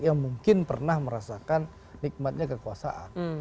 yang mungkin pernah merasakan nikmatnya kekuasaan